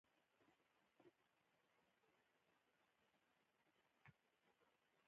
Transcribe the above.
پابندی غرونه د افغانستان د کلتوري میراث برخه ده.